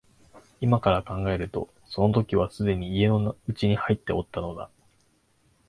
今から考えるとその時はすでに家の内に入っておったのだ